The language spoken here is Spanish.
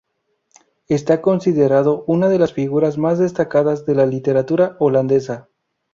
Está considerado una de las figuras más destacadas de la literatura holandesa.